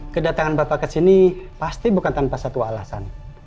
kedatangan bapak ke sini pasti bukan tanpa satu alasan